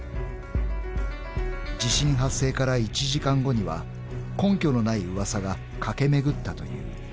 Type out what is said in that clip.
［地震発生から１時間後には根拠のない噂が駆け巡ったという］